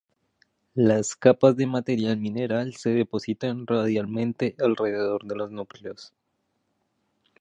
Las capas de material mineral se depositan radialmente alrededor de los núcleos.